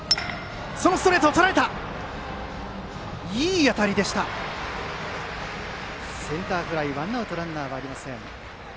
いい当たりでしたがセンターフライでワンアウトランナーありません。